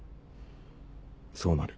そうなる。